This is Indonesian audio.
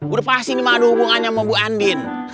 udah pasti ini mah ada hubungannya sama bu andin